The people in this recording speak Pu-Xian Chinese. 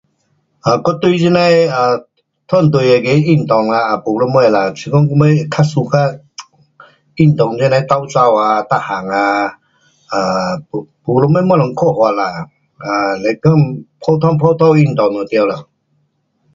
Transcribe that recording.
啊我对这那的 um 团队那个运动啊没什么啦，是讲我什么较 suka 这那的赛跑，每样啊，没什么东西看法啦，啊是讲普通普通运动就对了。